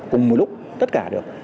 cùng một lúc tất cả được